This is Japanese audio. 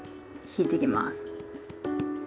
引いてきます。